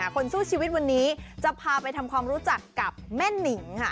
คนสู้ชีวิตวันนี้จะพาไปทำความรู้จักกับแม่นิงค่ะ